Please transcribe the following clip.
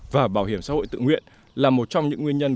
và bảo hiểm xã hội tự nguyện là một trong những nguyên nhân